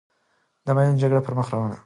د میوند جګړه پرمخ روانه ده.